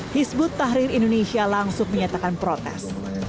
hizbut tahrir indonesia langsung menyatakan protes